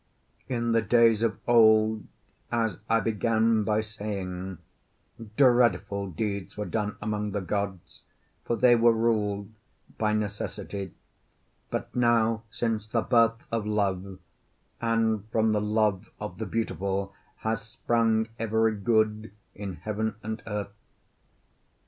In the days of old, as I began by saying, dreadful deeds were done among the gods, for they were ruled by Necessity; but now since the birth of Love, and from the Love of the beautiful, has sprung every good in heaven and earth.